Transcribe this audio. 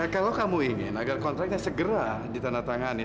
kalau kamu ingin agar kontraknya segera ditandatangani